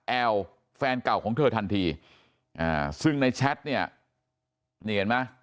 แอลแฟนเก่าของเธอทันทีอ่าซึ่งในแชทเนี่ยนี่เห็นไหม